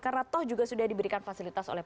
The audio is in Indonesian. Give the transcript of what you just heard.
karena toh juga sudah diberikan fasilitas oleh